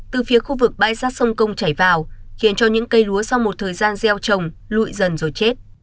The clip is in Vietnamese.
từ phía khu vực bãi rác sông công chảy vào khiến cho những cây lúa sau một thời gian gieo trồng lụi dần rồi chết